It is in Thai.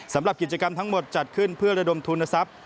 สำหรับกิจกรรมทั้งหมดจัดขึ้นเพื่อระดมทุนทรัพย์